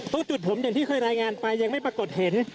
จุดผมอย่างที่เคยรายงานไปยังไม่ปรากฏเห็น